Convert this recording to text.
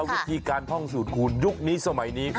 วิธีการท่องสูตรคูณยุคนี้สมัยนี้